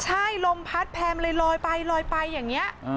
ใช่ลมพัดแผ่มันเลยลอยไปอย่างนี้